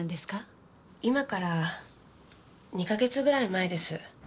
今から２か月ぐらい前です。